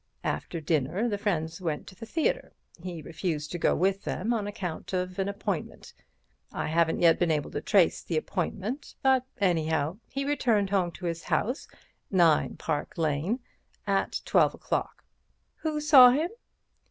After dinner the friends went to the theatre. He refused to go with them on account of an appointment. I haven't yet been able to trace the appointment, but anyhow, he returned home to his house—9 Park Lane—at twelve o'clock." "Who saw him?"